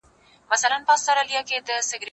هغه وويل چي د کتابتون د کار مرسته ضروري ده!.